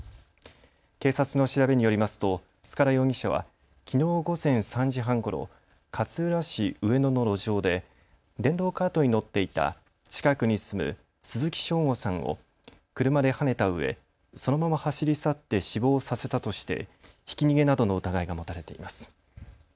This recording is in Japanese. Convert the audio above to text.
警察の調べによりますと塚田容疑者はきのう午前３時半ごろ、勝浦市植野の路上で電動カートに乗っていた近くに住む鈴木正吾さんを車ではねたうえそのまま走り去って死亡させたとしてひき逃げなどの疑いが持たれています。